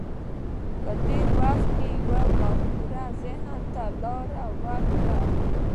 په دې وخت کې یوې مفکورې ذهن ته لار وکړه